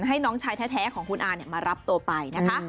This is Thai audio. ให้น้องชายแท้ของคุณอามารับตัวไปนะคะ